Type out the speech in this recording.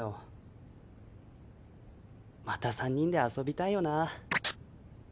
また３人で遊びたいよな。